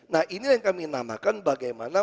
nah ini yang kami namakan bagaimana